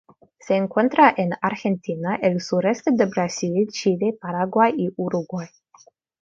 Se encuentra en Argentina, el sureste de Brasil, Chile, Paraguay y Uruguay.